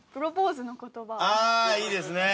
ああいいですね。